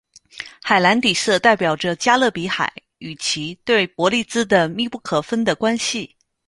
海蓝底色代表着加勒比海与其对伯利兹的密不可分的关系。